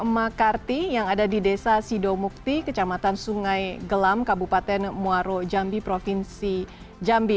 makarti yang ada di desa sidomukti kecamatan sungai gelam kabupaten muaro jambi provinsi jambi